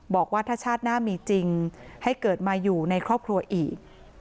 บอกว่าถ้าชาติหน้ามีจริงให้เกิดมาอยู่ในครอบครัวอีก